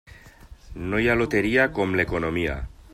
No hi ha loteria com l'economia.